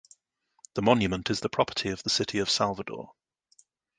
The monument is the property of the City of Salvador.